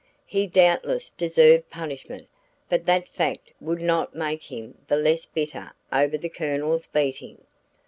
He doubtless deserved punishment, but that fact would not make him the less bitter over the Colonel's beating.